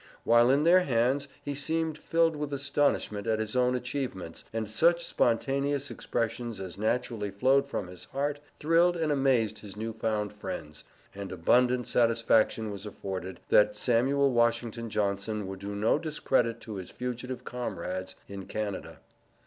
While in their hands he seemed filled with astonishment at his own achievements, and such spontaneous expressions as naturally flowed from his heart thrilled and amazed his new found friends, and abundant satisfaction was afforded, that Samuel Washington Johnson would do no discredit to his fugitive comrades in Canada.